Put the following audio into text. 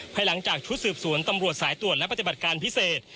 หลังจากชุดสืบสวนตำรวจสายตรวจและปฏิบัติการพิเศษ